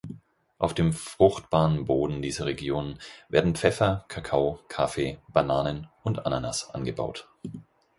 Auf dem fruchtbaren Boden dieser Region werden Pfeffer, Kakao, Kaffee, Bananen und Ananas angebaut.